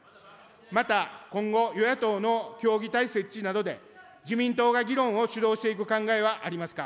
また今後、与野党の協議体設置などで、自民党が議論を主導していくお考えはありますか。